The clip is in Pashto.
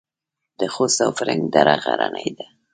د خوست او فرنګ دره غرنۍ ده